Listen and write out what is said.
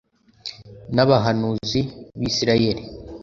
n'abahanuzi b'isirayeli